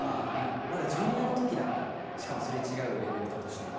まだＪｒ．のときだったんで擦れ違うレベルだとしても。